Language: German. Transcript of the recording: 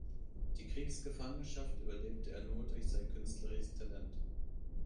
Die Kriegsgefangenschaft überlebte er nur durch sein künstlerisches Talent.